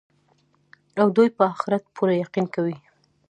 او دوى په آخرت پوره يقين كوي